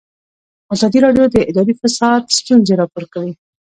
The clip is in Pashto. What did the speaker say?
ازادي راډیو د اداري فساد ستونزې راپور کړي.